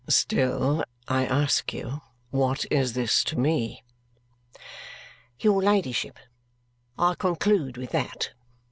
"Still I ask you, what is this to me?" "Your ladyship, I conclude with that."